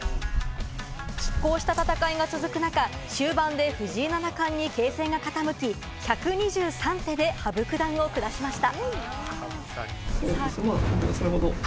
拮抗した戦いが続く中、終盤で藤井七冠に形勢が傾き、１２３手で羽生九段を下しました。